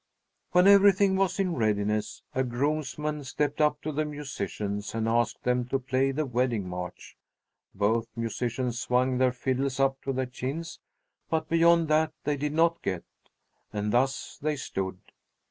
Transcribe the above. When everything was in readiness, a groomsman stepped up to the musicians and asked them to play the Wedding March. Both musicians swung their fiddles up to their chins, but beyond that they did not get. And thus they stood!